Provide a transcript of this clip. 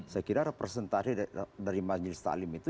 saya kira representasi dari majelis taklim itu